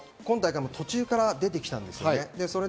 今大会、途中から出てきたんですね。